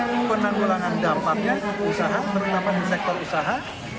untuk penanggulangan dampaknya usaha terutama di sektor usaha